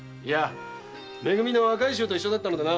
め組の若い衆と一緒だったのでな。